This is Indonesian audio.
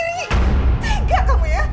tinggal kamu ya